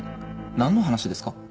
なんの話ですか？